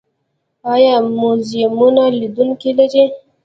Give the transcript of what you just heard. آیا موزیمونه لیدونکي لري؟